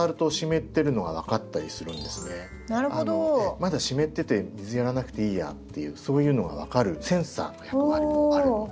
まだ湿ってて水やらなくていいやっていうそういうのが分かるセンサーの役割もあるので。